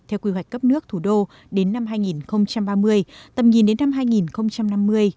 theo quy hoạch cấp nước thủ đô đến năm hai nghìn ba mươi tầm nhìn đến năm hai nghìn năm mươi